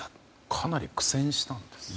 かなり苦戦したんですね。